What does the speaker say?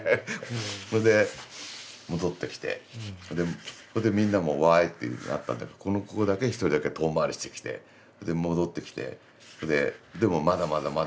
それで戻ってきてここでみんなも「わい」っていうふうになったんだけどこの子だけ一人だけ遠回りしてきてそれで戻ってきてそれででもまだまだまだまだ。